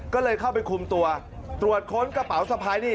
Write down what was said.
ก็เลยเข้าไปคุมตัวตรวจค้นกระเป๋าสะพายนี่